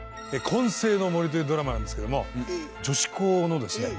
「混声の森」というドラマなんですけども女子校のですね